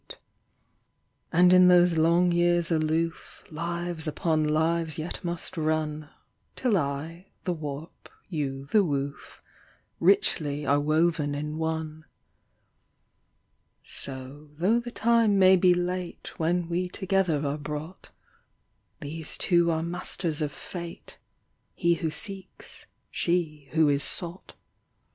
RECOGNITION And in those long years aloof Lives upon lives yet must run, Till I, the warp, you, the woof, Richly are woven in one. So, though the time may be late When we together are brought. These two are masters of Fate — He who seeks, she who is sought.